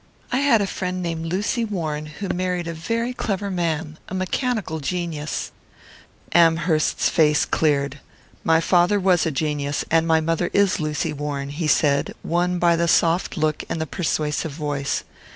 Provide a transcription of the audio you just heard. I had a friend named Lucy Warne who married a very clever man a mechanical genius " Amherst's face cleared. "My father was a genius; and my mother is Lucy Warne," he said, won by the soft look and the persuasive voice.